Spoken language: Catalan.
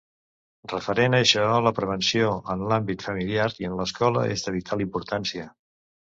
Referent a això, la prevenció en l'àmbit familiar i en l'escola és de vital importància.